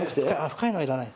深いのはいらない。